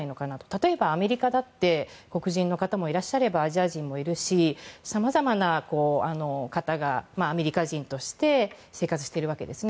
例えば、アメリカだって黒人の方もいらっしゃればアジア人もいるしさまざまな方がアメリカ人として生活しているわけですね。